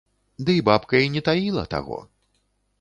Дый бабка і не таіла таго.